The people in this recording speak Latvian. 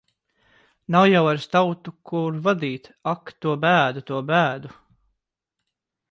Nav jau vairs tautu, kur vadīt. Ak, to bēdu! To bēdu!